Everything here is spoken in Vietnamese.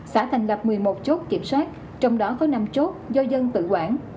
xã thành lập một mươi một chốt kiểm soát trong đó có năm chốt do dân tự quản